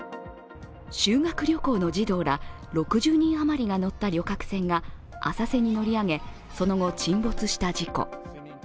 修学旅行の児童ら６０人余りが乗った旅客船が浅瀬に乗り上げ、その後沈没した事故。